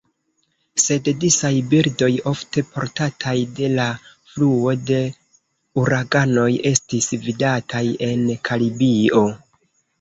Sed disaj birdoj, ofte portataj de la fluo de uraganoj, estis vidataj en Karibio.